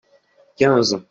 quinze.